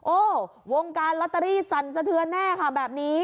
วงการลอตเตอรี่สั่นสะเทือนแน่ค่ะแบบนี้